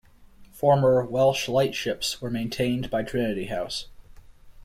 Former Welsh lightships were maintained by Trinity House.